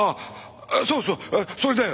そうそうそれだよ！